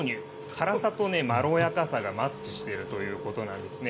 辛さとまろやかさがマッチしているということなんですね。